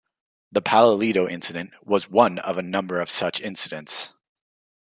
The "Palalido incident" was one of a number of such incidents.